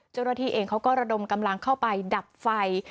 เจ้าหน้าที่เองเขาก็ระดมกำลังเข้าไปดับไฟ